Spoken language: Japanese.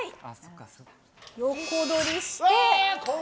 横取りして。